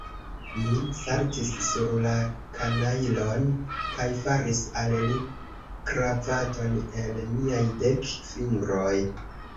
Mi saltis sur la kanajlon, kaj faris al li kravaton el miaj dek fingroj.